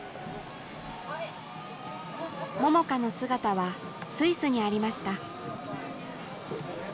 桃佳の姿はスイスにありました。